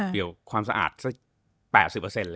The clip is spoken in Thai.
เดี๋ยวความสะอาดสัก๘๐เลย